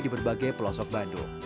di berbagai pelosok bandung